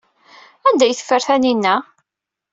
Anda ay t-teffer Taninna?